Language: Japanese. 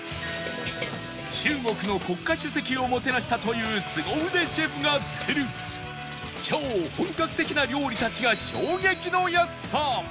中国の国家主席をもてなしたというすご腕シェフが作る超本格的な料理たちが衝撃の安さ！